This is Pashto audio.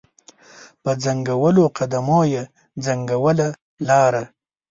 په ځنګولو قدمو یې ځنګوله لاره